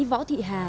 võ thị hà